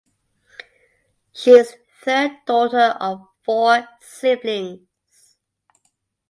She is third daughter of four siblings.